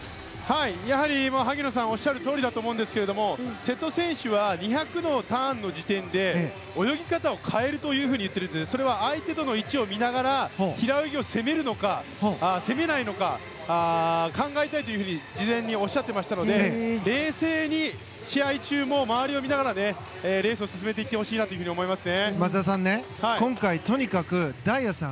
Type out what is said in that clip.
やはり萩野さんがおっしゃるとおりだと思うんですが瀬戸選手は２００のターンの時点で泳ぎ方を変えると言っているのでそれは相手との位置を見ながら平泳ぎを攻めるのか攻めないのか考えたいと事前におっしゃっていましたので冷静に試合中も周りを見ながらレースを進めていってほしいなと思います。